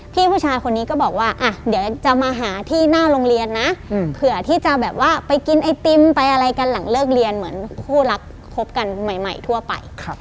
พี่ผู้ชายคนนี้ก็บอกว่าเดี๋ยวจะมาหาที่หน้าโรงเรียนนะ